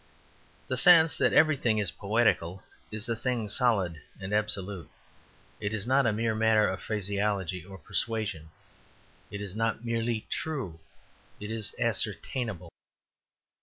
The sense that everything is poetical is a thing solid and absolute; it is not a mere matter of phraseology or persuasion. It is not merely true, it is ascertainable.